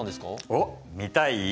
おっ見たい？